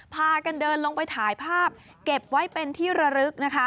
พากันเดินลงไปถ่ายภาพเก็บไว้เป็นที่ระลึกนะคะ